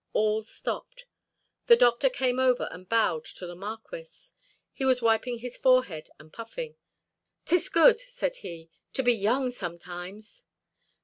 All stopped. The doctor came over and bowed to the Marquis. He was wiping his forehead and puffing. "'Tis good," said he, "to be young sometimes."